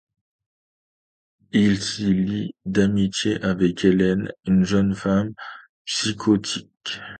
Il s'y lie d'amitié avec Hélène, une jeune femme psychotique.